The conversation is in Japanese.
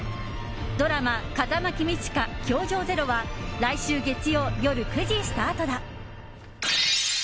ドラマ「風間公親‐教場０‐」は来週月曜、夜９時スタートだ。